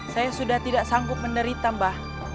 saya sudah tidak sanggup menderita mbah